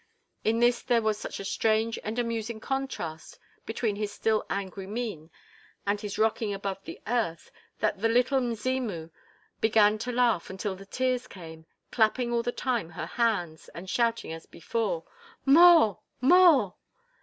In this there was such a strange and amusing contrast between his still angry mien and this rocking above the earth that the little "Mzimu" began to laugh until the tears came, clapping all the time her hands and shouting as before: "More! More!"